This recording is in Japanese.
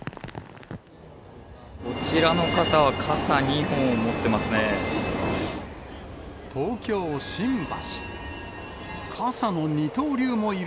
あちらの方は傘２本持ってま東京・新橋。